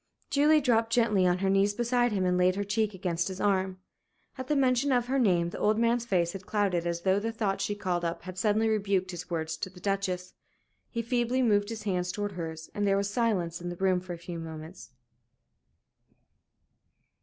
Julie dropped gently on her knees beside him and laid her cheek against his arm. At the mention of her name the old man's face had clouded as though the thoughts she called up had suddenly rebuked his words to the Duchess. He feebly moved his hands towards hers, and there was silence in the room for a few moments.